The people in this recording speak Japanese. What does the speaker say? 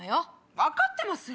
分かってますよ。